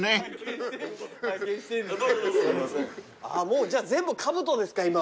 もうじゃあ全部かぶとですか今は。